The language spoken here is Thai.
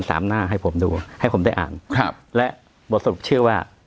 หน้าให้ผมดูให้ผมได้อ่านครับและบทสรุปชื่อว่า